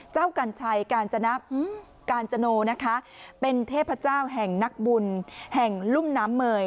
กัญชัยกาญจนกาญจโนนะคะเป็นเทพเจ้าแห่งนักบุญแห่งลุ่มน้ำเมย